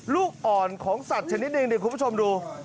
ลูกอ่อนของสัตว์ชนิดหนึ่งเดี๋ยวคุณผู้ชมดู